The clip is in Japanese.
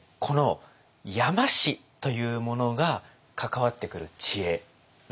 この山師というものが関わってくる知恵なんですね。